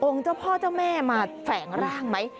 เจ้าพ่อเจ้าแม่มาแฝงร่างไหม